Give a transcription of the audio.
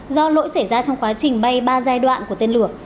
do lỗi xảy ra trong quá trình bay ba giai đoạn của tên lửa